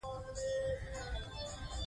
افغانان تر دښمن زیات زړور وو.